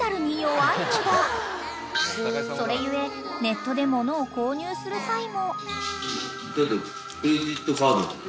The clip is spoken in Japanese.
［それ故ネットで物を購入する際も］